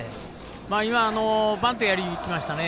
バントをやりにいきました。